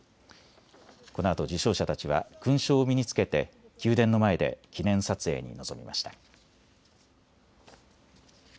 このあと受章者たちは勲章を身につけて宮殿の前で記念撮影に臨みました。